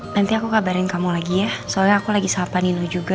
nanti aku kabarin kamu lagi ya soalnya aku lagi sapa nino juga